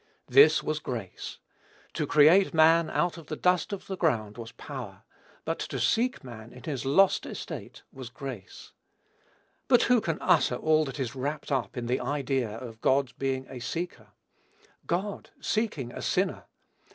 This was grace. To create man out of the dust of the ground was power; but to seek man in his lost estate was grace. But who can utter all that is wrapped up in the idea of God's being a seeker? God seeking a sinner?